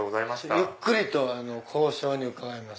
ゆっくりと交渉に伺います。